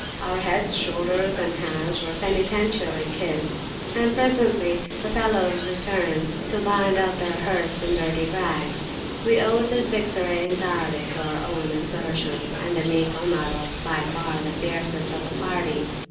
Our heads, shoulders, and hands were penitentially kissed, and presently the fellows returned to bind up their hurts in dirty [p.194] rags. We owed this victory entirely to our own exertions, and the meek Omar was by far the fiercest of the party.